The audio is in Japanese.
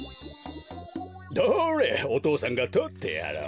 どれお父さんがとってやろう。